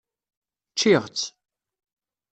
Ččiɣ-tt.